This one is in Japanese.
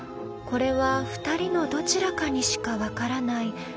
これは２人のどちらかにしか分からない